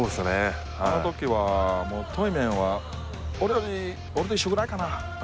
あの時は、対面は俺と一緒ぐらいかな。